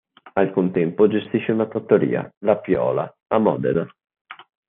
Al contempo gestisce una trattoria, La Piola, a Modena.